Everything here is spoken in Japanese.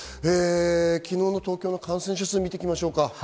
昨日の東京都の感染者数を見ていきましょう。